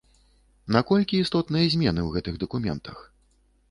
На колькі істотныя змены ў гэтых дакументах?